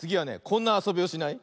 こんなあそびをしない？